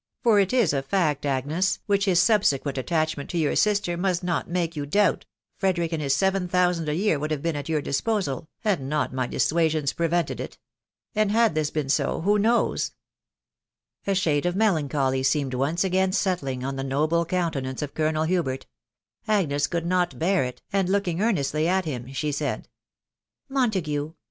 for it is a fact, Agnes, which his subsequent attachment to your sister must not make you doubt, Frederick and his seven thousand a year would have been at your disposal, had not my dissuasions pre vented it ••. And had this been so, who knows •«••" A shade of melancholy seemed once again settling on the noble countenance of Colonel Hubert; Agnes could not bear it, and looking earnestly at him, she said, —" Montague !